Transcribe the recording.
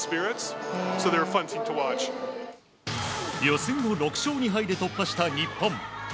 予選を６勝２敗で突破した日本。